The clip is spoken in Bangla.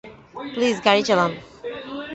প্লিজ গাড়ি চালান।